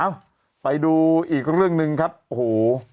เอ้าไปดูอีกเรื่องหนึ่งครับโอ้โห